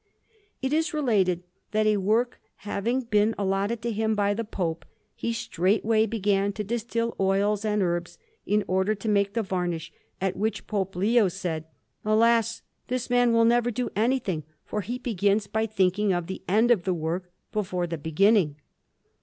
It is related that, a work having been allotted to him by the Pope, he straightway began to distil oils and herbs, in order to make the varnish; at which Pope Leo said: "Alas! this man will never do anything, for he begins by thinking of the end of the work, before the beginning."